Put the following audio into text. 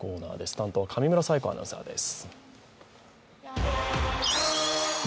担当は上村彩子アナウンサーです。